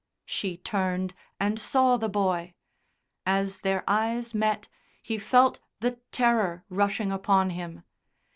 She turned and saw the boy; as their eyes met he felt the Terror rushing upon him.